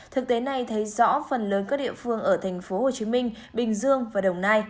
thực tế này thấy rõ phần lớn các địa phương ở tp hcm bình dương và đồng nai